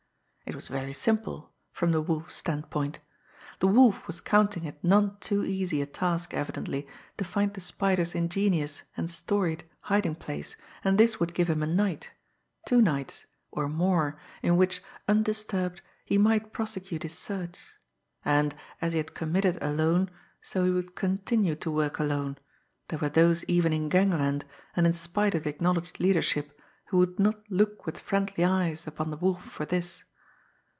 It was very simple from the Wolf's standpoint! The Wolf was counting it none too easy a task evidently to find the Spider's ingenious and storied hiding place, and this would give him a night, two nights, or more, in which, undisturbed, he might prosecute his search. And, as he had committed alone, so he would continue to work alone, there were those even in gangland, and in spite of the acknowledged leadership, who would not look with friendly eyes upon the Wolf for this!